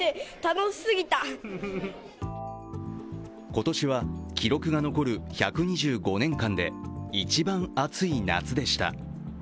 今年は記録が残る１２５年間で一番暑い夏でした。